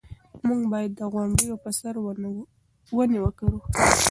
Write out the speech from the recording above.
موږ باید د غونډیو په سر ونې وکرو.